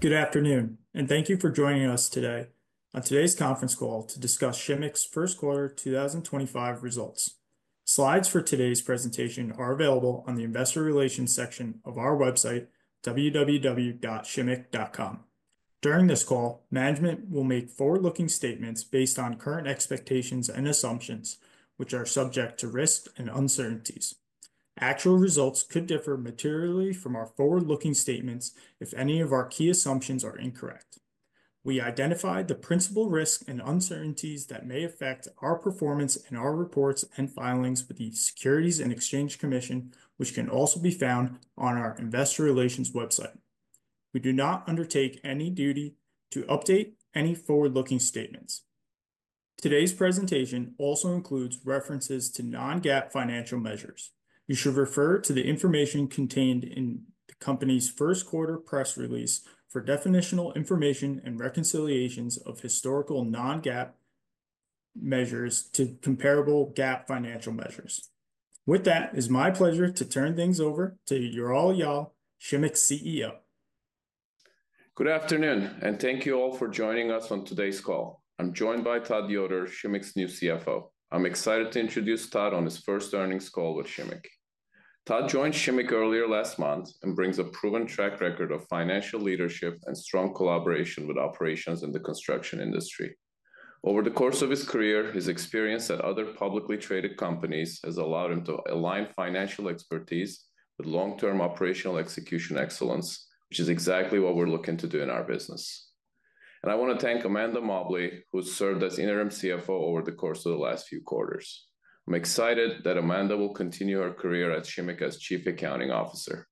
Good afternoon, and thank you for joining us today on today's conference call to discuss Shimmick's first quarter 2025 results. Slides for today's presentation are available on the Investor Relations section of our website, www.shimmick.com. During this call, management will make forward-looking statements based on current expectations and assumptions, which are subject to risk and uncertainties. Actual results could differ materially from our forward-looking statements if any of our key assumptions are incorrect. We identify the principal risks and uncertainties that may affect our performance in our reports and filings with the Securities and Exchange Commission, which can also be found on our Investor Relations website. We do not undertake any duty to update any forward-looking statements. Today's presentation also includes references to non-GAAP financial measures. You should refer to the information contained in the company's first quarter press release for definitional information and reconciliations of historical non-GAAP measures to comparable GAAP financial measures. With that, it is my pleasure to turn things over to Ural Yal, Shimmick's CEO. Good afternoon, and thank you all for joining us on today's call. I'm joined by Todd Yoder, Shimmick's new CFO. I'm excited to introduce Todd on his first earnings call with Shimmick. Todd joined Shimmick earlier last month and brings a proven track record of financial leadership and strong collaboration with operations in the construction industry. Over the course of his career, his experience at other publicly traded companies has allowed him to align financial expertise with long-term operational execution excellence, which is exactly what we're looking to do in our business. I want to thank Amanda Mobley, who has served as interim CFO over the course of the last few quarters. I'm excited that Amanda will continue her career at Shimmick as Chief Accounting Officer.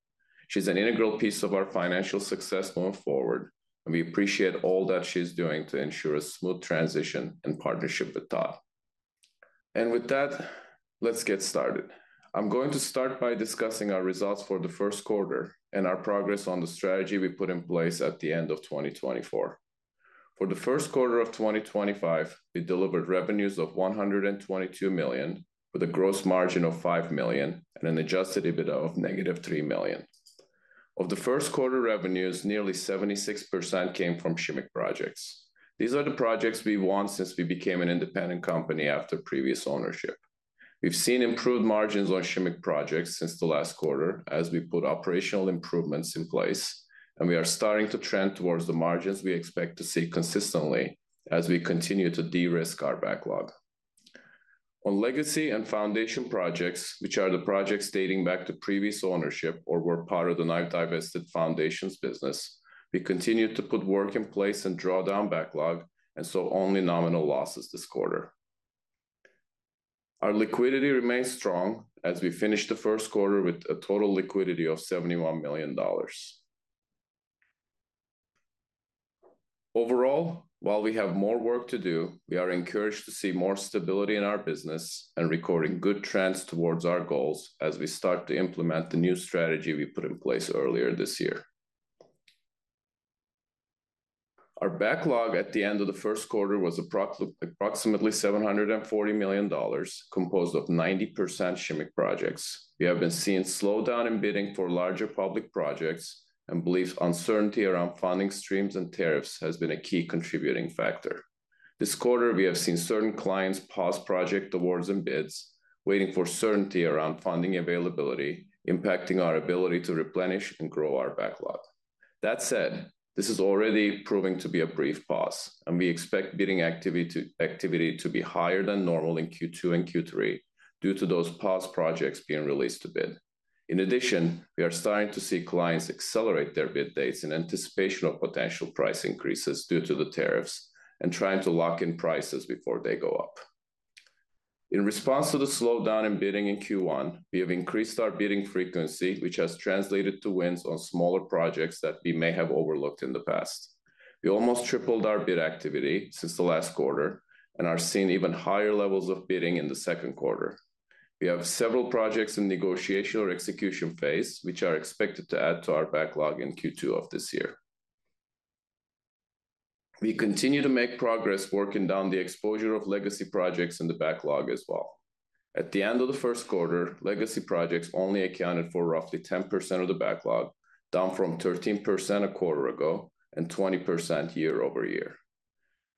She's an integral piece of our financial success going forward, and we appreciate all that she's doing to ensure a smooth transition and partnership with Todd. With that, let's get started. I'm going to start by discussing our results for the first quarter and our progress on the strategy we put in place at the end of 2024. For the first quarter of 2025, we delivered revenues of $122 million, with a gross margin of $5 million and an Adjusted EBITDA of negative $3 million. Of the first quarter revenues, nearly 76% came from Shimmick projects. These are the projects we've won since we became an independent company after previous ownership. We've seen improved margins on Shimmick projects since the last quarter as we put operational improvements in place, and we are starting to trend towards the margins we expect to see consistently as we continue to de-risk our backlog. On legacy and foundation projects, which are the projects dating back to previous ownership or were part of the Knife Dive Estate Foundation's business, we continue to put work in place and draw down backlog, and saw only nominal losses this quarter. Our liquidity remains strong as we finished the first quarter with a total liquidity of $71 million. Overall, while we have more work to do, we are encouraged to see more stability in our business and recording good trends towards our goals as we start to implement the new strategy we put in place earlier this year. Our backlog at the end of the first quarter was approximately $740 million, composed of 90% Shimmick projects. We have been seeing slowdown in bidding for larger public projects, and beliefs uncertainty around funding streams and tariffs has been a key contributing factor. This quarter, we have seen certain clients pause project awards and bids, waiting for certainty around funding availability, impacting our ability to replenish and grow our backlog. That said, this is already proving to be a brief pause, and we expect bidding activity to be higher than normal in Q2 and Q3 due to those paused projects being released to bid. In addition, we are starting to see clients accelerate their bid dates in anticipation of potential price increases due to the tariffs and trying to lock in prices before they go up. In response to the slowdown in bidding in Q1, we have increased our bidding frequency, which has translated to wins on smaller projects that we may have overlooked in the past. We almost tripled our bid activity since the last quarter and are seeing even higher levels of bidding in the second quarter. We have several projects in negotiation or execution phase, which are expected to add to our backlog in Q2 of this year. We continue to make progress working down the exposure of legacy projects in the backlog as well. At the end of the first quarter, legacy projects only accounted for roughly 10% of the backlog, down from 13% a quarter ago and 20% year over year.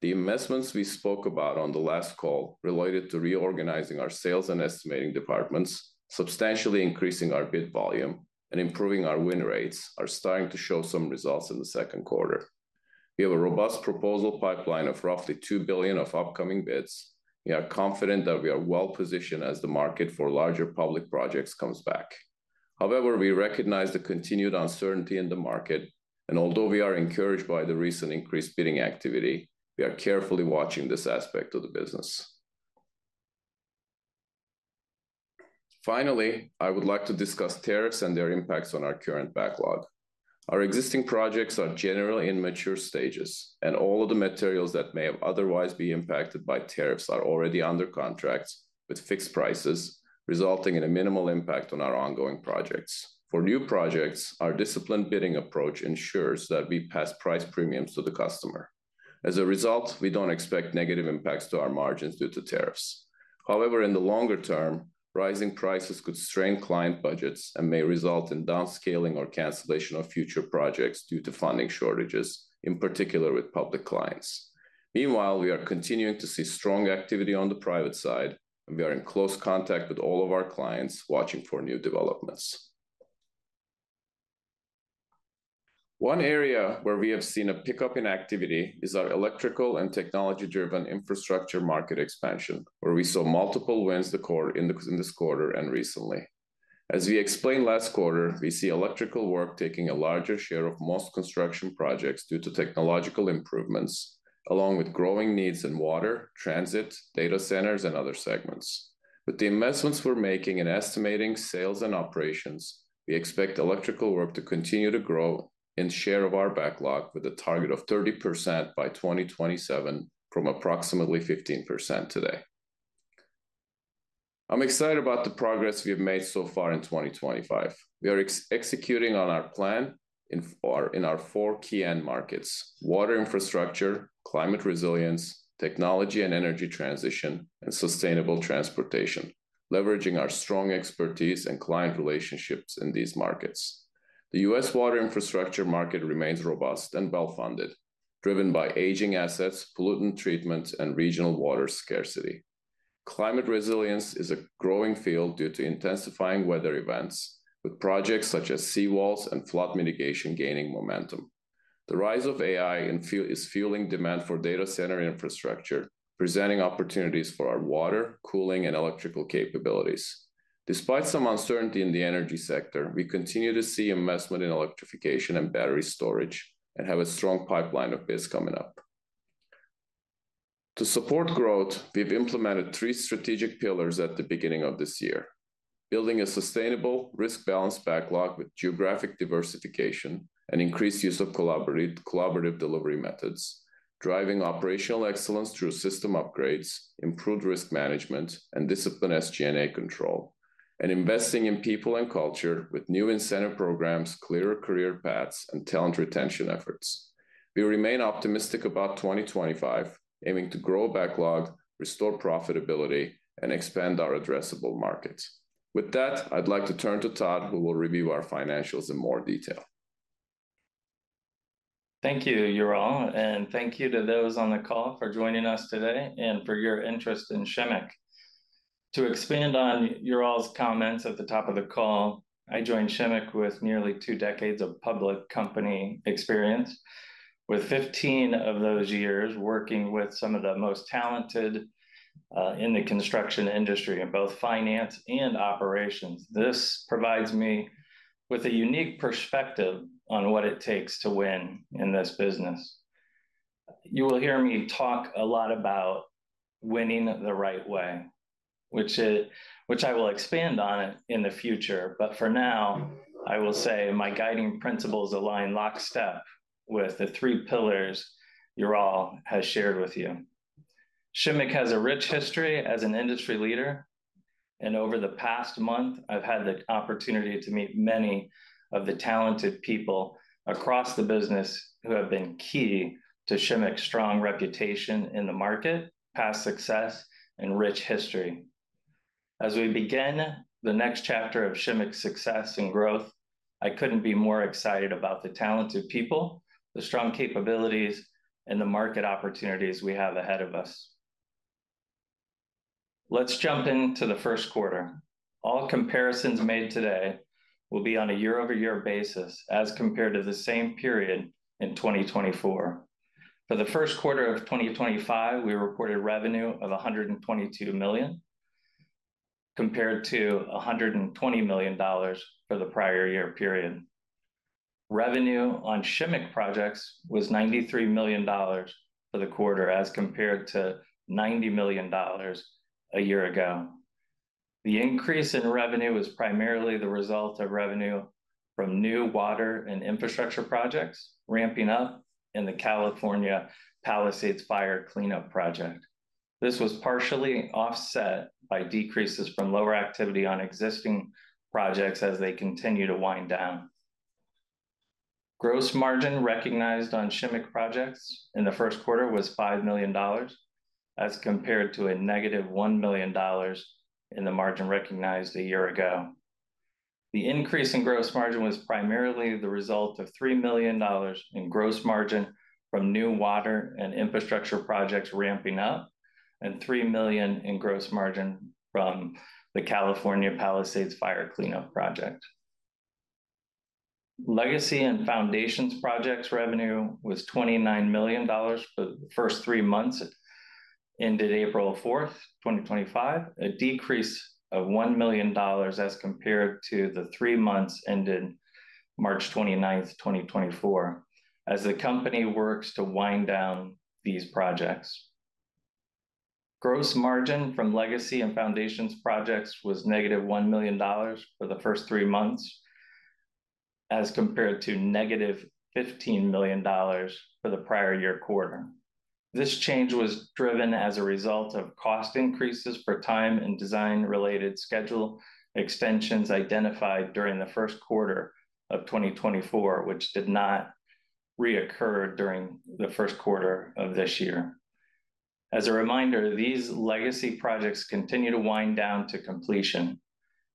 The investments we spoke about on the last call related to reorganizing our sales and estimating departments, substantially increasing our bid volume, and improving our win rates are starting to show some results in the second quarter. We have a robust proposal pipeline of roughly $2 billion of upcoming bids. We are confident that we are well positioned as the market for larger public projects comes back. However, we recognize the continued uncertainty in the market, and although we are encouraged by the recent increased bidding activity, we are carefully watching this aspect of the business. Finally, I would like to discuss tariffs and their impacts on our current backlog. Our existing projects are generally in mature stages, and all of the materials that may otherwise be impacted by tariffs are already under contract with fixed prices, resulting in a minimal impact on our ongoing projects. For new projects, our disciplined bidding approach ensures that we pass price premiums to the customer. As a result, we don't expect negative impacts to our margins due to tariffs. However, in the longer term, rising prices could strain client budgets and may result in downscaling or cancellation of future projects due to funding shortages, in particular with public clients. Meanwhile, we are continuing to see strong activity on the private side, and we are in close contact with all of our clients watching for new developments. One area where we have seen a pickup in activity is our electrical and technology-driven infrastructure market expansion, where we saw multiple wins in this quarter and recently. As we explained last quarter, we see electrical work taking a larger share of most construction projects due to technological improvements, along with growing needs in water, transit, data centers, and other segments. With the investments we're making in estimating, sales, and operations, we expect electrical work to continue to grow in share of our backlog with a target of 30% by 2027 from approximately 15% today. I'm excited about the progress we have made so far in 2025. We are executing on our plan in our 4 key end markets: water infrastructure, climate resilience, technology and energy transition, and sustainable transportation, leveraging our strong expertise and client relationships in these markets. The U.S. water infrastructure market remains robust and well-funded, driven by aging assets, pollutant treatment, and regional water scarcity. Climate resilience is a growing field due to intensifying weather events, with projects such as seawalls and flood mitigation gaining momentum. The rise of AI is fueling demand for data center infrastructure, presenting opportunities for our water, cooling, and electrical capabilities. Despite some uncertainty in the energy sector, we continue to see investment in electrification and battery storage and have a strong pipeline of bids coming up. To support growth, we've implemented 3 strategic pillars at the beginning of this year: building a sustainable risk-balanced backlog with geographic diversification and increased use of collaborative delivery methods, driving operational excellence through system upgrades, improved risk management, and disciplined SG&A control, and investing in people and culture with new incentive programs, clearer career paths, and talent retention efforts. We remain optimistic about 2025, aiming to grow backlog, restore profitability, and expand our addressable markets. With that, I'd like to turn to Todd, who will review our financials in more detail. Thank you, Ural, and thank you to those on the call for joining us today and for your interest in Shimmick. To expand on Ural's comments at the top of the call, I joined Shimmick with nearly 2 decades of public company experience, with 15 of those years working with some of the most talented in the construction industry in both finance and operations. This provides me with a unique perspective on what it takes to win in this business. You will hear me talk a lot about winning the right way, which I will expand on in the future, but for now, I will say my guiding principles align lockstep with the 3 pillars Ural has shared with you. Shimmick has a rich history as an industry leader, and over the past month, I've had the opportunity to meet many of the talented people across the business who have been key to Shimmick's strong reputation in the market, past success, and rich history. As we begin the next chapter of Shimmick's success and growth, I couldn't be more excited about the talented people, the strong capabilities, and the market opportunities we have ahead of us. Let's jump into the first quarter. All comparisons made today will be on a year-over-year basis as compared to the same period in 2024. For the first quarter of 2025, we reported revenue of $122 million, compared to $120 million for the prior year period. Revenue on Shimmick projects was $93 million for the quarter as compared to $90 million a year ago. The increase in revenue was primarily the result of revenue from new water and infrastructure projects ramping up in the California Palisades Fire Cleanup Project. This was partially offset by decreases from lower activity on existing projects as they continue to wind down. Gross margin recognized on Shimmick projects in the first quarter was $5 million as compared to a negative $1 million in the margin recognized a year ago. The increase in gross margin was primarily the result of $3 million in gross margin from new water and infrastructure projects ramping up and $3 million in gross margin from the California Palisades Fire Cleanup Project. Legacy and foundations projects revenue was $29 million for the first 3 months ended April 4, 2025, a decrease of $1 million as compared to the 3 months ended March 29, 2024, as the company works to wind down these projects. Gross margin from legacy and foundations projects was negative $1 million for the first 3 months as compared to negative $15 million for the prior year quarter. This change was driven as a result of cost increases for time and design-related schedule extensions identified during the first quarter of 2024, which did not reoccur during the first quarter of this year. As a reminder, these legacy projects continue to wind down to completion,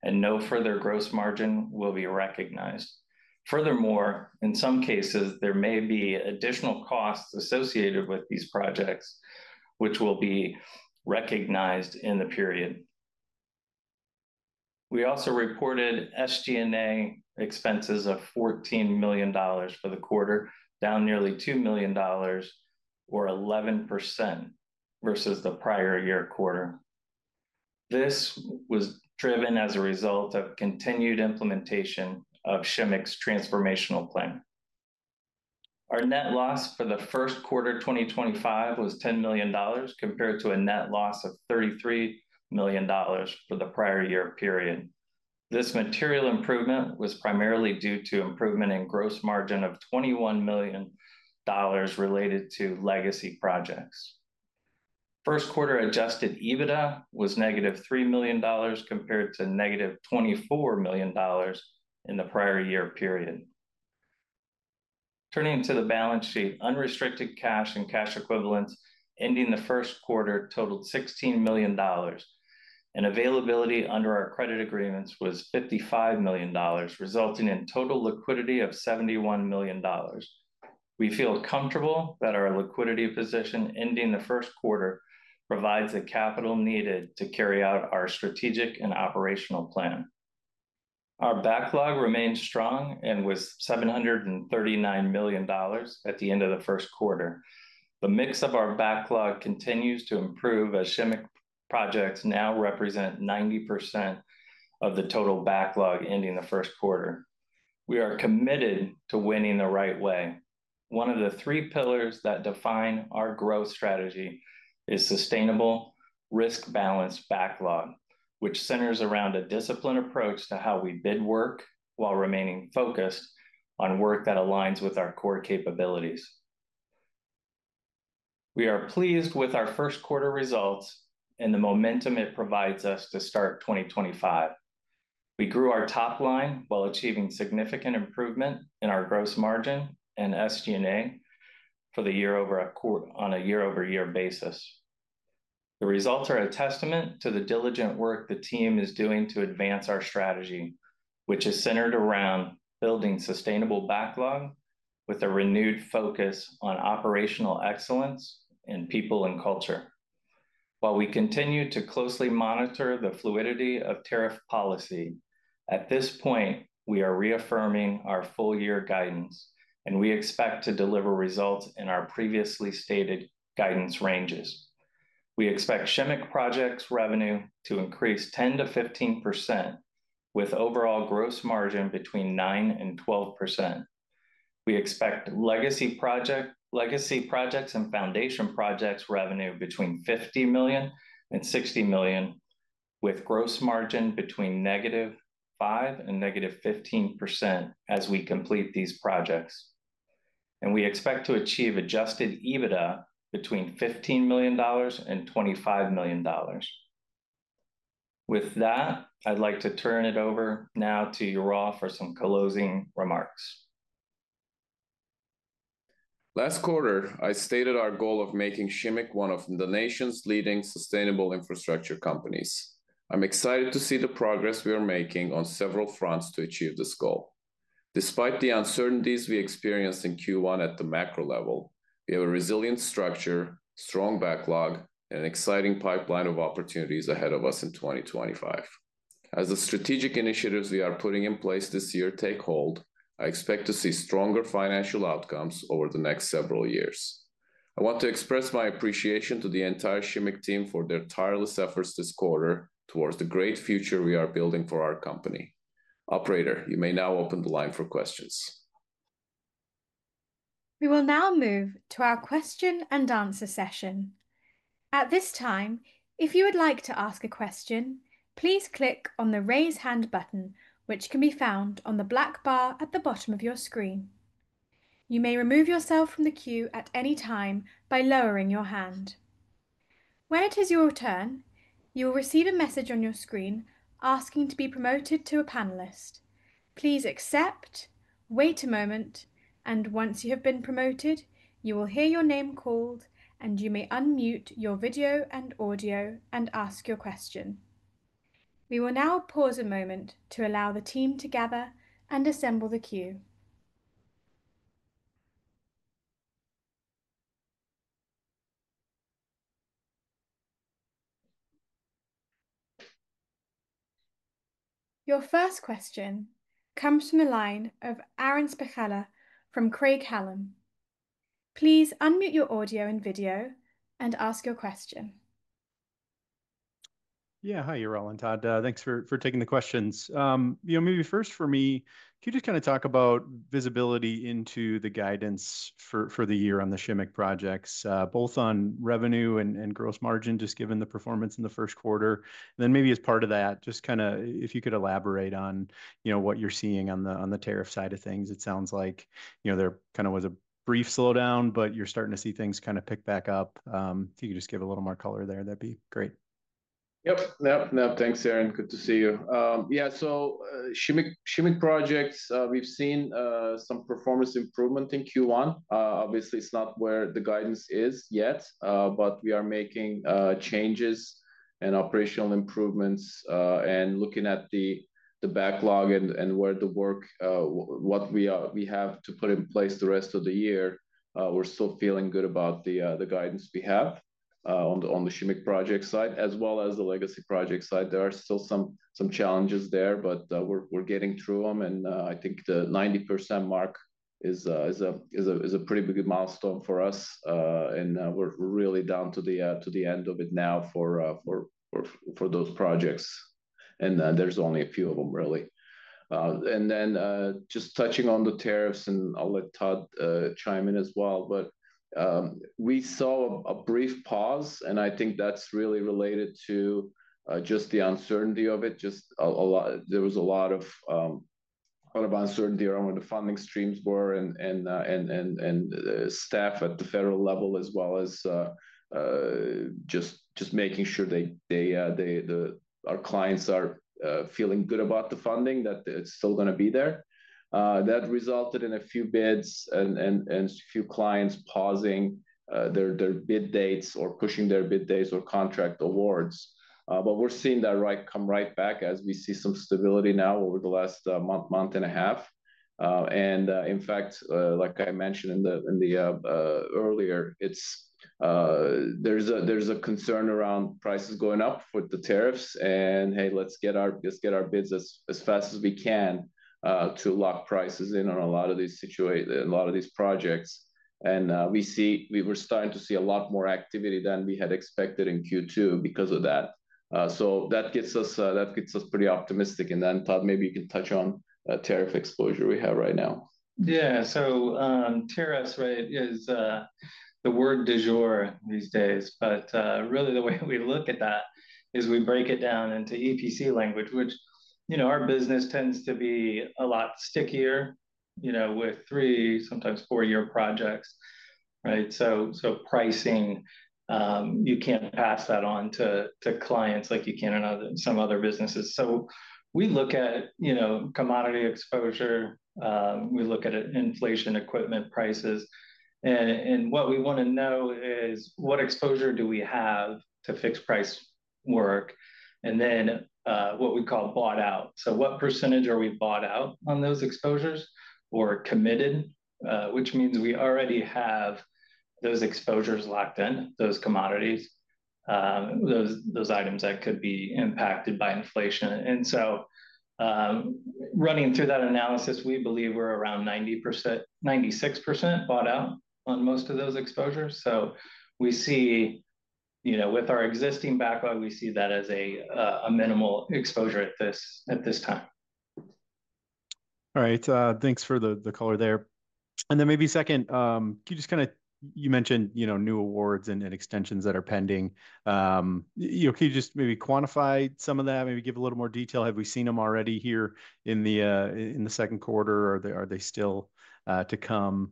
and no further gross margin will be recognized. Furthermore, in some cases, there may be additional costs associated with these projects, which will be recognized in the period. We also reported SG&A expenses of $14 million for the quarter, down nearly $2 million, or 11% versus the prior year quarter. This was driven as a result of continued implementation of Shimmick's transformational plan. Our net loss for the first quarter of 2025 was $10 million compared to a net loss of $33 million for the prior year period. This material improvement was primarily due to improvement in gross margin of $21 million related to legacy projects. First quarter Adjusted EBITDA was negative $3 million compared to negative $24 million in the prior year period. Turning to the balance sheet, unrestricted cash and cash equivalents ending the first quarter totaled $16 million, and availability under our credit agreements was $55 million, resulting in total liquidity of $71 million. We feel comfortable that our liquidity position ending the first quarter provides the capital needed to carry out our strategic and operational plan. Our backlog remained strong and was $739 million at the end of the first quarter. The mix of our backlog continues to improve as Shimmick projects now represent 90% of the total backlog ending the first quarter. We are committed to winning the right way. 1 of the 3 pillars that define our growth strategy is sustainable risk-balanced backlog, which centers around a disciplined approach to how we bid work while remaining focused on work that aligns with our core capabilities. We are pleased with our first quarter results and the momentum it provides us to start 2025. We grew our top line while achieving significant improvement in our gross margin and SG&A for the year on a year-over-year basis. The results are a testament to the diligent work the team is doing to advance our strategy, which is centered around building sustainable backlog with a renewed focus on operational excellence in people and culture. While we continue to closely monitor the fluidity of tariff policy, at this point, we are reaffirming our full-year guidance, and we expect to deliver results in our previously stated guidance ranges. We expect Shimmick projects revenue to increase 10%-15%, with overall gross margin between 9%-12%. We expect legacy projects and foundation projects revenue between $50 million and $60 million, with gross margin between negative 5% and negative 15% as we complete these projects. We expect to achieve Adjusted EBITDA between $15 million and $25 million. With that, I'd like to turn it over now to Ural for some closing remarks. Last quarter, I stated our goal of making Shimmick one of the nation's leading sustainable infrastructure companies. I'm excited to see the progress we are making on several fronts to achieve this goal. Despite the uncertainties we experienced in Q1 at the macro level, we have a resilient structure, strong backlog, and an exciting pipeline of opportunities ahead of us in 2025. As the strategic initiatives we are putting in place this year take hold, I expect to see stronger financial outcomes over the next several years. I want to express my appreciation to the entire Shimmick team for their tireless efforts this quarter towards the great future we are building for our company. Operator, you may now open the line for questions. We will now move to our question and answer session. At this time, if you would like to ask a question, please click on the raise hand button, which can be found on the black bar at the bottom of your screen. You may remove yourself from the queue at any time by lowering your hand. When it is your turn, you will receive a message on your screen asking to be promoted to a panelist. Please accept, wait a moment, and once you have been promoted, you will hear your name called, and you may unmute your video and audio and ask your question. We will now pause a moment to allow the team to gather and assemble the queue. Your first question comes from the line of Aaron Spychalla from Craig-Hallum. Please unmute your audio and video and ask your question. Yeah, hi, Ural and Todd. Thanks for taking the questions. Maybe first for me, can you just kind of talk about visibility into the guidance for the year on the Shimmick projects, both on revenue and gross margin, just given the performance in the first quarter? And then maybe as part of that, just kind of if you could elaborate on what you're seeing on the tariff side of things. It sounds like there kind of was a brief slowdown, but you're starting to see things kind of pick back up. If you could just give a little more color there, that'd be great. Yep, yep, yep. Thanks, Aaron. Good to see you. Yeah, so Shimmick projects, we've seen some performance improvement in Q1. Obviously, it's not where the guidance is yet, but we are making changes and operational improvements and looking at the backlog and where the work, what we have to put in place the rest of the year. We're still feeling good about the guidance we have on the Shimmick project side, as well as the legacy project side. There are still some challenges there, but we're getting through them, and I think the 90% mark is a pretty big milestone for us, and we're really down to the end of it now for those projects. And there's only a few of them, really. Just touching on the tariffs, and I'll let Todd chime in as well, but we saw a brief pause, and I think that's really related to just the uncertainty of it. There was a lot of uncertainty around where the funding streams were and staff at the federal level, as well as just making sure our clients are feeling good about the funding, that it's still going to be there. That resulted in a few bids and a few clients pausing their bid dates or pushing their bid dates or contract awards. We're seeing that come right back as we see some stability now over the last month and a half. In fact, like I mentioned earlier, there's a concern around prices going up with the tariffs, and hey, let's get our bids as fast as we can to lock prices in on a lot of these situations, a lot of these projects. We are starting to see a lot more activity than we had expected in Q2 because of that. That gets us pretty optimistic. Todd, maybe you can touch on tariff exposure we have right now. Yeah, so tariffs rate is the word du jour these days, but really the way we look at that is we break it down into EPC language, which our business tends to be a lot stickier with 3, sometimes 4-year projects, right? Pricing, you can't pass that on to clients like you can in some other businesses. We look at commodity exposure, we look at inflation equipment prices, and what we want to know is what exposure do we have to fixed price work, and then what we call bought out. What percentage are we bought out on those exposures or committed, which means we already have those exposures locked in, those commodities, those items that could be impacted by inflation. Running through that analysis, we believe we're around 96% bought out on most of those exposures. We see with our existing backlog, we see that as a minimal exposure at this time. All right, thanks for the color there. Then maybe second, can you just kind of, you mentioned new awards and extensions that are pending. Can you just maybe quantify some of that, maybe give a little more detail? Have we seen them already here in the second quarter, or are they still to come?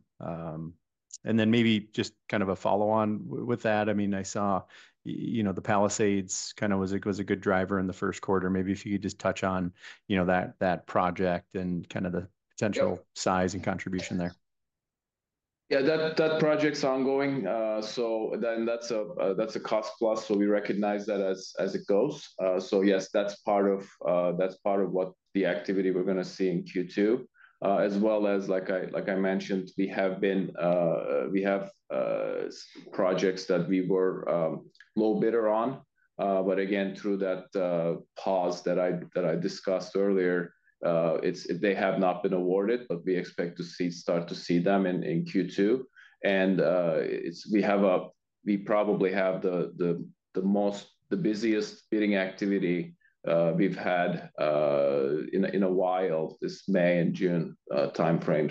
Then maybe just kind of a follow-on with that. I mean, I saw the Palisades kind of was a good driver in the first quarter. Maybe if you could just touch on that project and kind of the potential size and contribution there. Yeah, that project's ongoing. That is a cost plus, so we recognize that as it goes. Yes, that is part of what the activity we are going to see in Q2, as well as, like I mentioned, we have projects that we were low bidder on. Again, through that pause that I discussed earlier, they have not been awarded, but we expect to start to see them in Q2. We probably have the busiest bidding activity we have had in a while this May and June timeframe.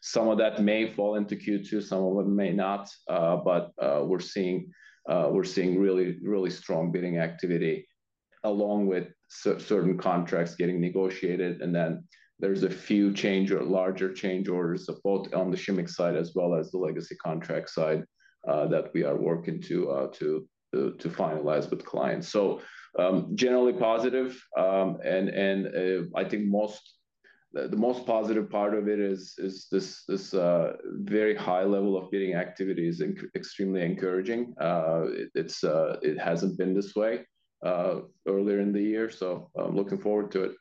Some of that may fall into Q2, some of them may not, but we are seeing really strong bidding activity along with certain contracts getting negotiated. There are a few larger change orders both on the Shimmick side as well as the legacy contract side that we are working to finalize with clients. Generally positive, and I think the most positive part of it is this very high level of bidding activity is extremely encouraging. It has not been this way earlier in the year, so I am looking forward to it.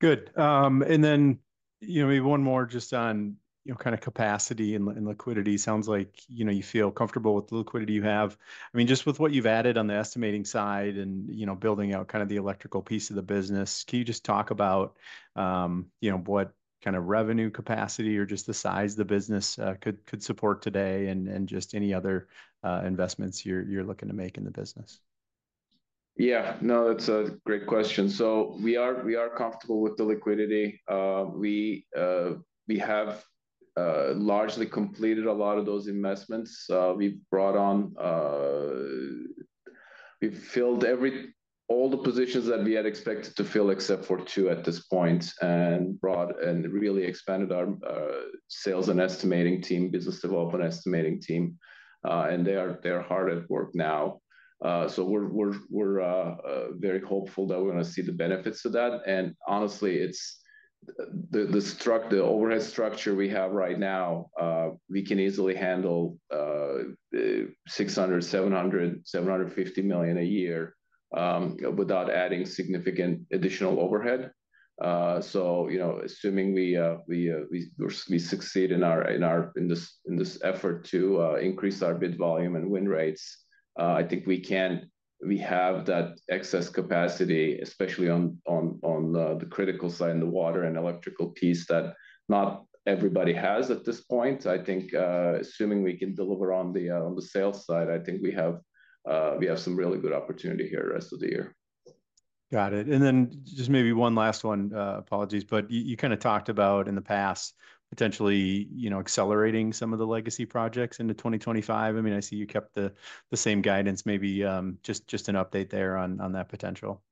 Good. And then maybe 1 more just on kind of capacity and liquidity. Sounds like you feel comfortable with the liquidity you have. I mean, just with what you've added on the estimating side and building out kind of the electrical piece of the business, can you just talk about what kind of revenue capacity or just the size of the business could support today and just any other investments you're looking to make in the business? Yeah, no, that's a great question. We are comfortable with the liquidity. We have largely completed a lot of those investments. We've filled all the positions that we had expected to fill except for 2 at this point and really expanded our sales and estimating team, business development estimating team, and they are hard at work now. We are very hopeful that we're going to see the benefits of that. Honestly, the overhead structure we have right now, we can easily handle $600 million, $700 million, $750 million a year without adding significant additional overhead. Assuming we succeed in this effort to increase our bid volume and win rates, I think we have that excess capacity, especially on the critical side in the water and electrical piece that not everybody has at this point. I think assuming we can deliver on the sales side, I think we have some really good opportunity here the rest of the year. Got it. And then just maybe 1 last 1, apologies, but you kind of talked about in the past potentially accelerating some of the legacy projects into 2025. I mean, I see you kept the same guidance. Maybe just an update there on that potential.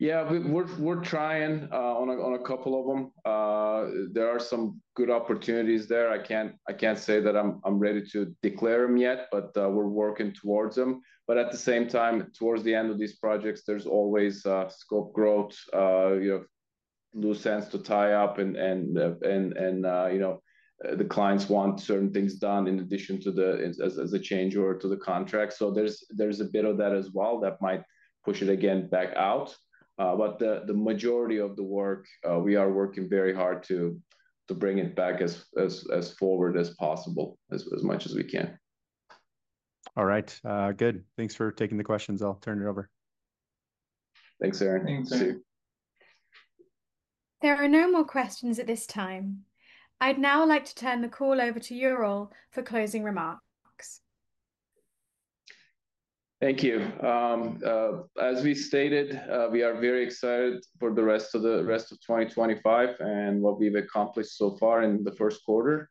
Yeah, we're trying on a couple of them. There are some good opportunities there. I can't say that I'm ready to declare them yet, but we're working towards them. At the same time, towards the end of these projects, there's always scope growth, loose ends to tie up, and the clients want certain things done in addition to the change order to the contract. There's a bit of that as well that might push it again back out. The majority of the work, we are working very hard to bring it back as forward as possible, as much as we can. All right, good. Thanks for taking the questions. I'll turn it over. Thanks, Aaron. Thanks. There are no more questions at this time. I'd now like to turn the call over to Ural for closing remarks. Thank you. As we stated, we are very excited for the rest of 2025 and what we've accomplished so far in the first quarter.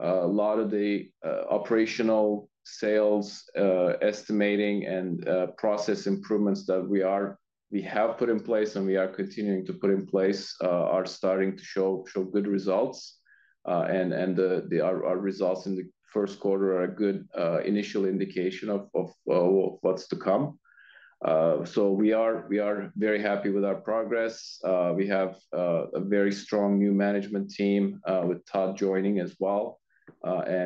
A lot of the operational sales, estimating, and process improvements that we have put in place and we are continuing to put in place are starting to show good results. Our results in the first quarter are a good initial indication of what's to come. We are very happy with our progress. We have a very strong new management team with Todd joining as well.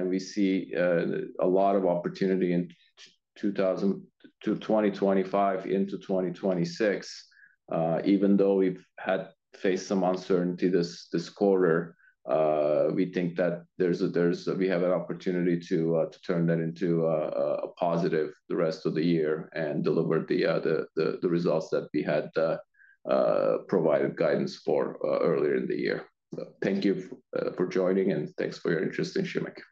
We see a lot of opportunity in 2025 into 2026. Even though we've faced some uncertainty this quarter, we think that we have an opportunity to turn that into a positive the rest of the year and deliver the results that we had provided guidance for earlier in the year. Thank you for joining, and thanks for your interest in Shimmick.